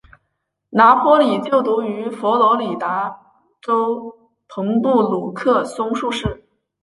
拿坡里就读于佛罗里达州朋布鲁克松树市。